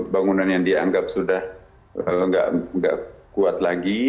bangunan yang dianggap sudah tidak kuat lagi